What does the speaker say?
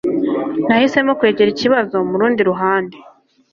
Nahisemo kwegera ikibazo murundi ruhande.